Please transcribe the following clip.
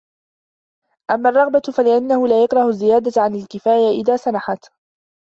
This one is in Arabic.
أَمَّا الرَّغْبَةُ ؛ فَلِأَنَّهُ لَا يَكْرَهُ الزِّيَادَةَ عَلَى الْكِفَايَةِ إذَا سَنَحَتْ